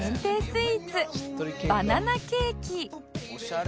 スイーツバナナケーキ